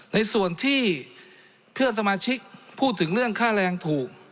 ในส่วนที่เพื่อนสมาชิกพูดถึงเรื่องค่าแรงถูก